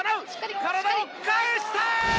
体を返した。